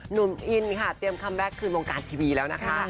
หนุ่มอินค่ะเตรียมคัมแก๊กคืนวงการทีวีแล้วนะคะ